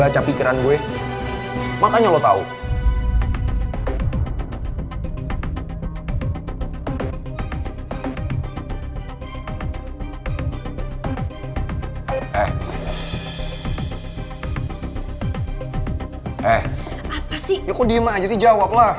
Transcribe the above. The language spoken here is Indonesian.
ya kok diem aja sih jawab lah